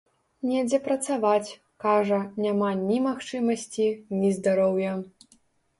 Недзе працаваць, кажа, няма ні магчымасці, ні здароўя.